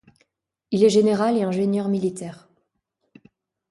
Il est général et ingénieur militaire.